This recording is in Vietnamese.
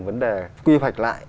vấn đề quy hoạch lại